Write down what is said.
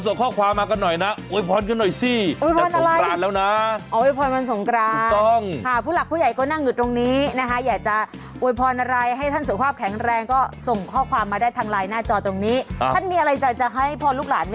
สวัสดีครับสวัสดีครับสวัสดีครับสวัสดีครับสวัสดีครับสวัสดีครับสวัสดีครับสว